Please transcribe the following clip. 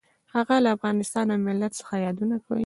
هغه له افغانستان او ملت څخه یادونه کړې.